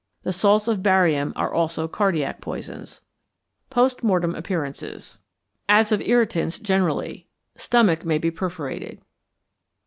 The salts of barium are also cardiac poisons. Post Mortem Appearances. As of irritants generally. Stomach may be perforated.